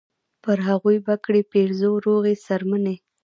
پر هغو به کړي پیرزو روغې څرمنې